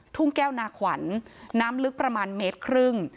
ทุ่งแก้วนาขวัญน้ำลึกประมาณเมตรครึ่ง